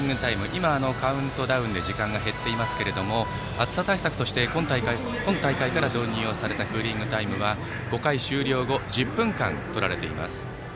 今カウントダウンで時間が減っていましたが暑さ対策として今大会から導入をされたクーリングタイムは、５回終了後１０分間とられます。